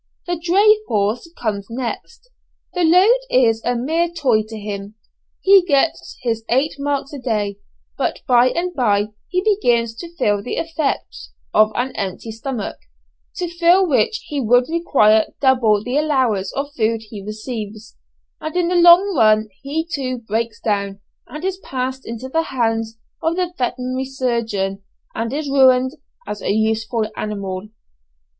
The dray horse comes next, the load is a mere toy to him, he gets his eight marks a day, but by and bye he begins to feel the effects of an empty stomach, to fill which he would require double the allowance of food he receives; and in the long run he too breaks down and is passed into the hands of the veterinary surgeon, and is ruined as a useful animal.